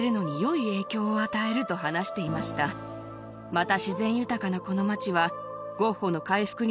また。